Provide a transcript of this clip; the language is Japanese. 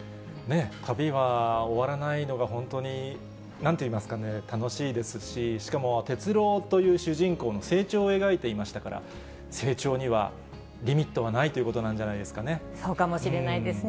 旅は終わらないのが、本当に、なんて言いますかね、楽しいですし、しかも鉄郎という主人公の成長を描いていましたから、成長にはリミットはないということなんじゃないですかね。